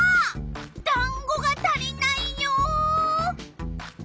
だんごが足りないよ！